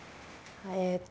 えっと。